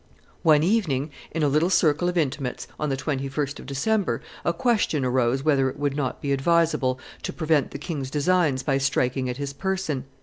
One evening, in a little circle of intimates, on the 21st of December, a question arose whether it would not be advisable to prevent the king's designs by striking at his person.